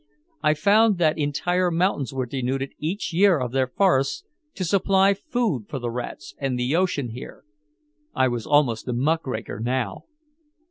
I found that entire mountains were denuded each year of their forests to supply food for the rats and the ocean here. I was almost a muckraker now.